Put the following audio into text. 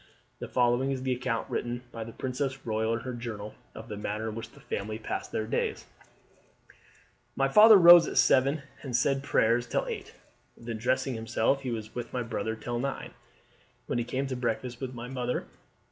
The following is the account written by the princess royal in her journal of the manner in which the family passed their days: "My father rose at seven and said prayers till eight; then dressing himself he was with my brother till nine, when he came to breakfast with my mother.